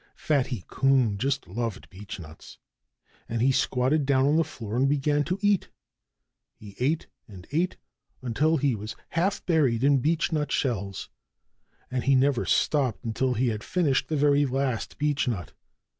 Fatty Coon just loved beechnuts. And he squatted down on the floor and began to eat. He ate and ate until he was half buried in beechnut shells. And he never stopped until he had finished the very last beechnut.